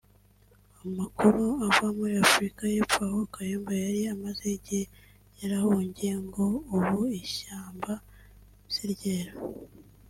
Amakuru ava muri Afrika y’Epfo aho Kayumba yari amaze igihe yarahungiye ngo ubu ishyamba siryeru